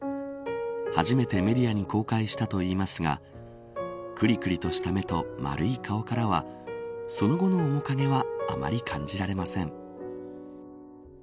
初めてメディアに公開したといいますがくりくりとした目と丸い顔からはその後の面影はあまり感じられません。